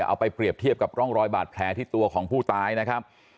เอาไปเปรียบเทียบกับร่องรอยบาดแผลที่ตัวของผู้ตายนะครับ